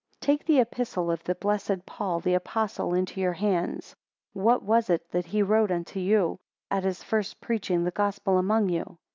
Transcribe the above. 20 Take the Epistle of the blessed Paul the Apostle into your hands; What was It that he wrote to you at his first preaching the Gospel among you?